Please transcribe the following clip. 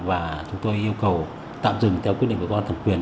và chúng tôi yêu cầu tạm dừng theo quyết định của cơ quan thẩm quyền